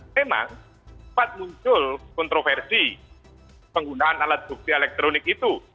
memang sempat muncul kontroversi penggunaan alat bukti elektronik itu